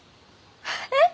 えっ！？